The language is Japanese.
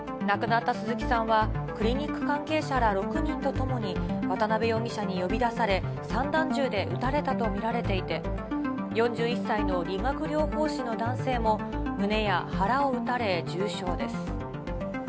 亡くなった鈴木さんはクリニック関係者ら６人とともに、渡辺容疑者に呼び出され、散弾銃で撃たれたと見られていて、４１歳の理学療法士の男性も、胸や腹を撃たれ重傷です。